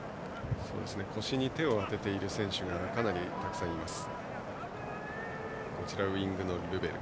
腰に手を当てている選手がかなりたくさんいます。